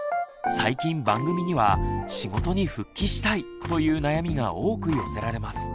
最近番組には「仕事に復帰したい！」という悩みが多く寄せられます。